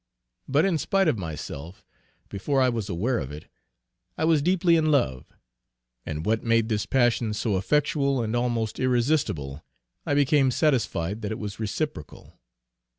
But in spite of myself, before I was aware of it, I was deeply in love; and what made this passion so effectual and almost irresistable, I became satisfied that it was reciprocal.